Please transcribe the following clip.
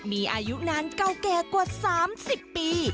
มีอายุนานเก่าแก่กว่า๓๐ปี